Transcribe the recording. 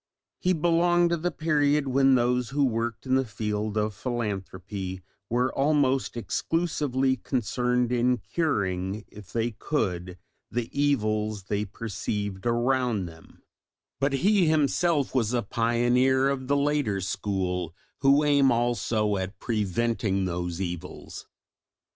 He belonged to the period when those who worked in the field of philanthropy were almost exclusively concerned in curing, if they could, the evils they perceived around them; but he himself was a pioneer of the later school who aim also at preventing those evils.